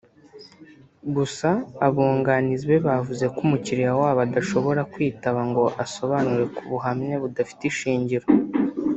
gusa abunganizi be bavuze ko umukiliya wabo adashobora kwitaba ngo asobanure ku buhamya budafite ishingiro